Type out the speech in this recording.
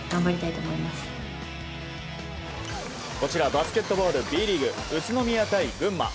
バスケットボールＢリーグ宇都宮対群馬。